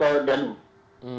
maka kemudian dia memilih akbp